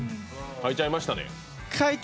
書いちゃいました。